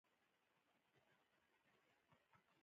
د نجونو تعلیم د ازادۍ ارزښت ښيي.